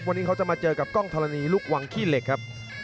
วันนี้เขาจะมาเจอกับกล้องธรณีลูกวังขี้เหล็กครับ